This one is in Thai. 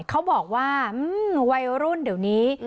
เขาบอกว่าวัยรุ่นเดี๋ยวนี้